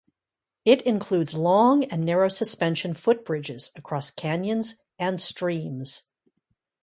It includes long and narrow suspension footbridges across canyons and streams.